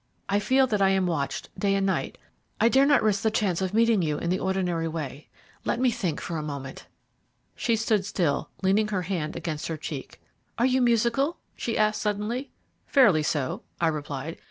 I feel that I am watched day and night. I dare not risk the chance of meeting you in the ordinary way. Let me think for a moment." She stood still, leaning her hand against her cheek. "Are you musical?" she asked suddenly. "Fairly so," I replied.